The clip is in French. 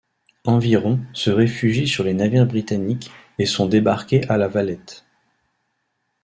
Environ se réfugient sur les navires britanniques et sont débarqués à La Valette.